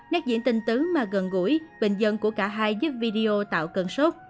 nét diễn tình tứ mà gần gũi bình dân của cả hai giúp video tạo cân sốt